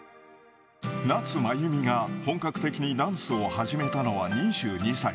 夏まゆみが本格的にダンスを始めたのは、２２歳。